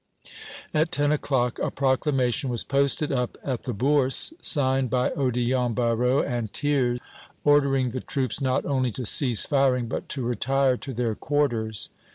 At ten o'clock a proclamation was posted up at the Bourse, signed by Odillon Barrot and Thiers, ordering the troops not only to cease firing, but to retire to their quarters.